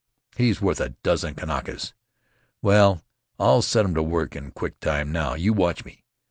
He's worth a dozen Kanakas. Well, I'll set 'em to work in quick time now. You watch me!